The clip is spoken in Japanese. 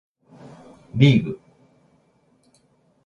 リーグ